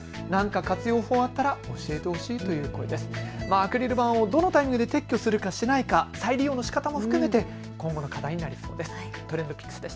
アクリル板をどのタイミングで撤去するか、しないか再利用のしかたも含めて今後の課題になりそうです。